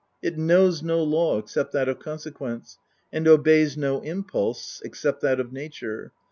It knows no law except that of consequence, and obeys no impulse except that of nature.